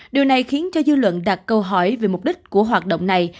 điều này khiến cho dư luận đặt câu hỏi về mục đích của hoạt động này